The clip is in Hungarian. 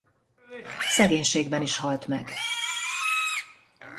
Szegénységben is halt meg.